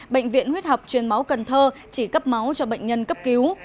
bệnh viện huyết học chuyên máu cần thơ chỉ cấp máu cho bệnh nhân cấp cứu